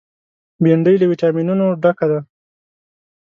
بېنډۍ له ویټامینونو ډکه ده